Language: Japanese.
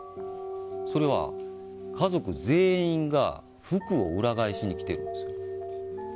それは、家族全員が服を裏返しに着てるんです。